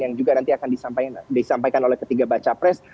yang juga nanti akan disampaikan oleh ketiga baca pres